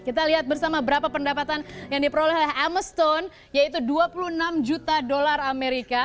kita lihat bersama berapa pendapatan yang diperoleh oleh amaston yaitu dua puluh enam juta dolar amerika